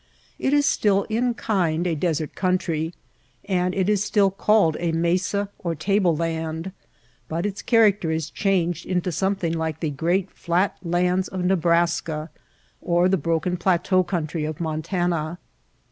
It is still in kind a desert country, and it is still called a mesa or table land ; but its character is changed into something like the great flat lands of Ne braska or the broken plateau country of Mon tana.